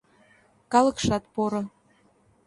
Калыкшат поро.